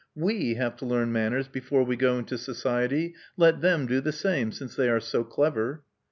We have to learn manners before we go into society : let them do the same, since they are so clever.